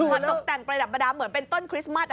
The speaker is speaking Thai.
มาตกแต่งประดับประดาษเหมือนเป็นต้นคริสต์มัส